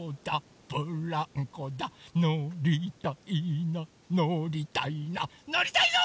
ブランコだのりたいなのりたいなのりたいぞ！